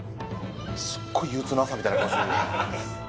すっごい憂うつな朝みたいな顔してる。